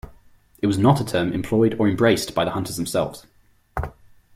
It was not a term employed or embraced by the hunters themselves.